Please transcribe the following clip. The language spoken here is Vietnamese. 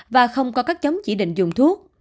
và không có các chống chỉ định dùng thuốc